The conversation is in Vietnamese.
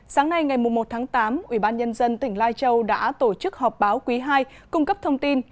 sáng nay ngày một tháng tám ubnd tỉnh lai châu đã tổ chức họp báo quý ii cung cấp thông tin